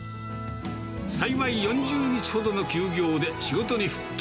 幸い４０日ほどの休業で仕事に復帰。